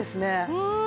うん。